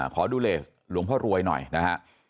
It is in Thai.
ขอดูเลสหลวงพ่อรวยหน่อยนะฮะ